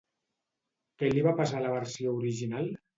Què li va passar a la versió original?